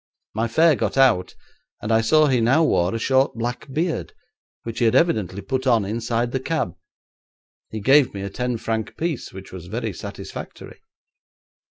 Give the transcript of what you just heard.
My fare got out, and I saw he now wore a short black beard, which he had evidently put on inside the cab. He gave me a ten franc piece, which was very satisfactory.